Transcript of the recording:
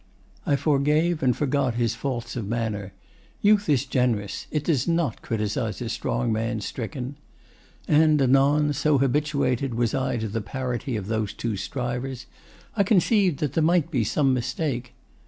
I forgave and forgot his faults of manner. Youth is generous. It does not criticise a strong man stricken. And anon, so habituated was I to the parity of those two strivers, I conceived that there might be some mistake.